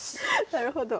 なるほど。